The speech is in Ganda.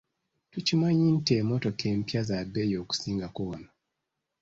Tukimanyi nti emmotoka empya za bbeeyi okusingako wano.